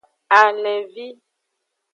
Alenvi.